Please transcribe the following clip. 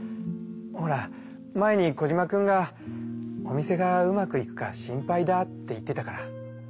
ほら前にコジマくんが「お店がうまくいくか心配だ」って言ってたから。